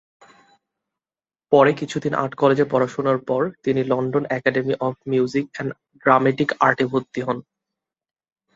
পরে কিছুদিন আর্ট কলেজে পড়াশুনার পর তিনি London academy of music and dramatic আর্টে ভর্তি হন।